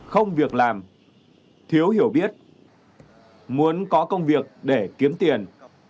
không việc làm thiếu hiểu biết muốn có công việc để kiếm tiền